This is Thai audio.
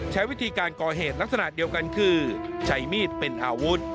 ใช้วิธีการก่อเหตุลักษณะเดียวกันคือใช้มีดเป็นอาวุธ